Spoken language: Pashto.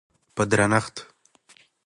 په درنښت